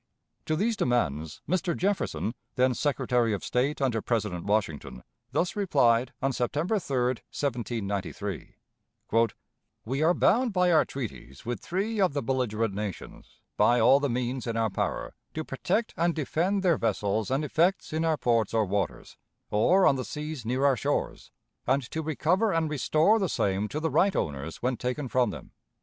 To these demands Mr. Jefferson, then Secretary of State under President Washington, thus replied on September 3, 1793: "We are bound by our treaties with three of the belligerent nations, by all the means in our power, to protect and defend their vessels and effects in our ports or waters, or on the seas near our shores, and to recover and restore the same to the right owners when taken from them.